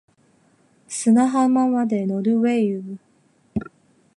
砂浜まで乗る wave